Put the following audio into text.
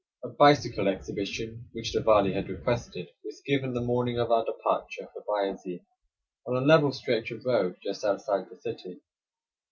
A bicycle exhibition which the Vali had requested was given the morning of our departure for Bayazid, on a level stretch of road just outside the city.